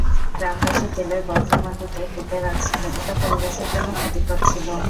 গ্রামবাসী তেলের বর্জ্য মাটিতে পুঁতে রাখছিল, এটা পরিবেশের জন্য ক্ষতিকর ছিল।